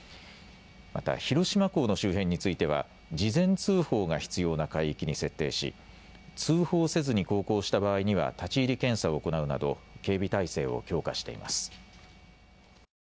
また広島港の周辺については事前通報が必要な海域に設定し通報せずに航行した場合には立ち入り検査を行うなど警備態勢を強化しています。